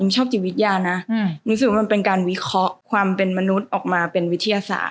ชอบจิตวิทยานะรู้สึกว่ามันเป็นการวิเคราะห์ความเป็นมนุษย์ออกมาเป็นวิทยาศาสต